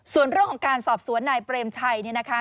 ส่วนเรื่องการสอบสวนนายเปรมชัยนะคะ